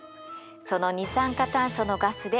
その二酸化炭素のガスで膨らむのよ。